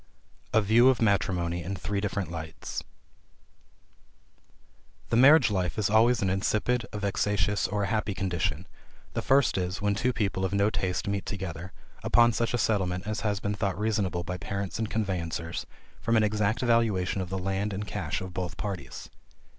A VIEW OF MATRIMONY IN THREE DIFFERENT LIGHTS. The marriage life is always an insipid, a vexatious, or a happy condition, the first is, when two people of no taste meet together, upon such a settlement as has been thought reasonable by parents and conveyancers, from an exact valuation of the land and cash of both parties.